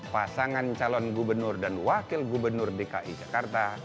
pasangan calon gubernur dan wakil gubernur dki jakarta